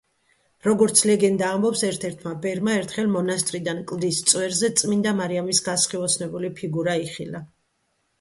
როგორც ლეგენდა ამბობს, ერთ-ერთმა ბერმა ერთხელ მონასტრიდან კლდის წვერზე წმინდა მარიამის გასხივოსნებული ფიგურა იხილა.